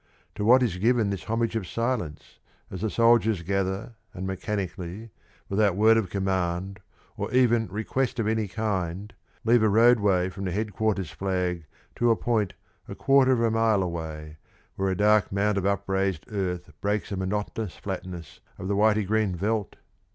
To what is given this homage of silence as the soldiers gather, and mechanically, without word of command or even request of any kind, leave a roadway from the head quarters' flag to a point a quarter of a mile away, where a dark mound of upraised earth breaks the monotonous flatness of the whitey green veldt?